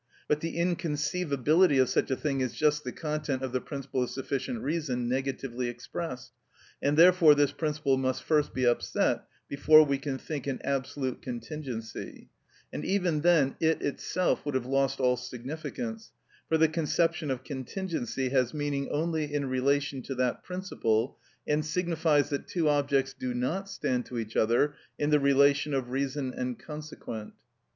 But the inconceivability of such a thing is just the content of the principle of sufficient reason negatively expressed, and therefore this principle must first be upset before we can think an absolute contingency; and even then it itself would have lost all significance, for the conception of contingency has meaning only in relation to that principle, and signifies that two objects do not stand to each other in the relation of reason and consequent.